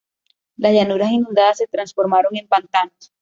Las llanuras inundadas se transformaron en pantanos.